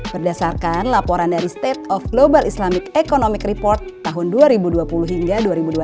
berdasarkan laporan dari state of global islamic economic report tahun dua ribu dua puluh hingga dua ribu dua puluh